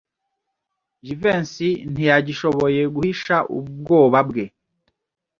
Jivency ntiyagishoboye guhisha ubwoba bwe.